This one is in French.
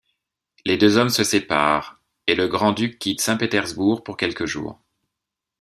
Les deux hommes se séparent, et le grand-duc quitte Saint-Pétersbourg pour quelques jours.